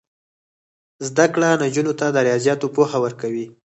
زده کړه نجونو ته د ریاضیاتو پوهه ورکوي.